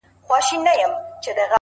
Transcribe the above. چاته د يار خبري ډيري ښې دي.a